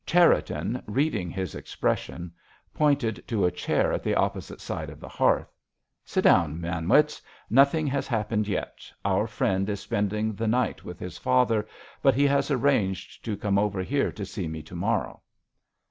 Cherriton, reading his expression, pointed to a chair at the opposite side of the hearth. "Sit down, Manwitz; nothing has happened yet; our friend is spending the night with his father, but he has arranged to come over here to see me to morrow."